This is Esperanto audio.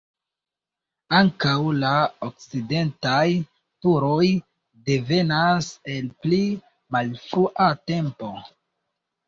Ankaŭ la okcidentaj turoj devenas el pli malfrua tempo.